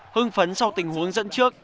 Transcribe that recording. hưng phấn sau tình huống dẫn trước